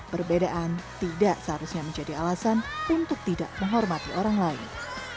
perbedaan tidak seharusnya menjadi alasan untuk tidak menghormati orang lain